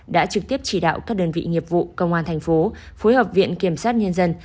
đã trực tiếp chỉ đạo các đơn vị nghiệp vụ công an thành phố phối hợp viện kiểm sát nhân dân